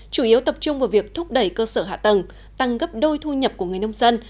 chủ yếu tập trung vào việc thúc đẩy cơ sở hạ tầng tăng gấp đôi thu nhập của người nông dân